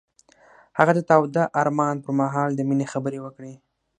هغه د تاوده آرمان پر مهال د مینې خبرې وکړې.